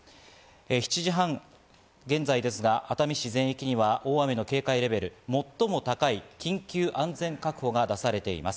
７時半現在ですが、熱海市全域には大雨の警戒レベル最も高い緊急安全確保が出されています。